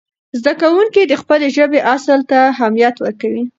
زده کوونکي د خپلې ژبې اصل ته اهمیت ورکوي.